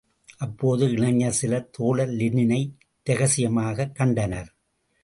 அப்போது இளைஞர் சிலர், தோழர் லெனினை இரகசியமாகக் கண்டனர்.